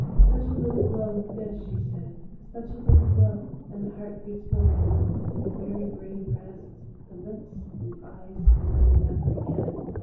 "Such a little blow with this," she said, "such a little blow and the heart beats no longer, the weary brain rests, the lips and eyes smile never again!